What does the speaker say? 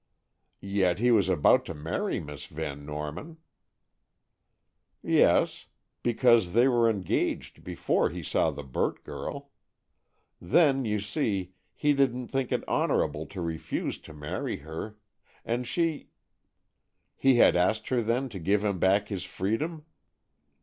"Yet he was about to marry Miss Van Norman." "Yes; because they were engaged before he saw the Burt girl. Then, you see, he didn't think it honorable to refuse to marry her, and she——" "He had asked her, then, to give him back his freedom?"